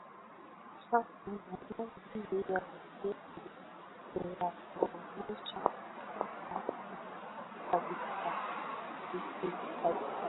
sasa nadhani hii ya nigeria ni ya kuonyesha kwamba hili halikubaliki kabisa